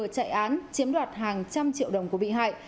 chạy án chiếm đoạt hàng trăm triệu đồng của bị hại